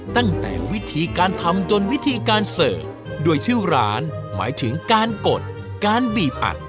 ตั้งแต่วิธีการทำจนวิธีการเสิร์ฟด้วยชื่อร้านหมายถึงการกดการบีบอัด